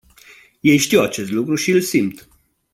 Ei știu acest lucru și îl simt.